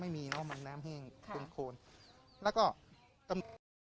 ไม่มีนะมันน้ำแห้งดนทรคชงขน